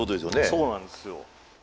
そうなんですよ。